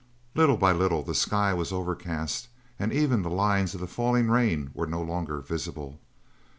Little by little the sky was overcast, and even the lines of the falling rain were no longer visible.